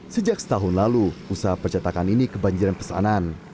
sejak setahun lalu usaha percetakan ini kebanjiran pesanan